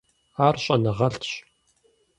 Ар щӏэныгъэлӏщ.